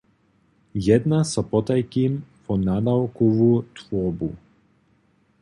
Jedna so potajkim wo nadawkowu twórbu.